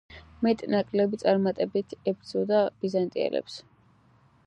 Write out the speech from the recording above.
მეტ-ნაკლები წარმატებით ებრძოდა ბიზანტიელებს.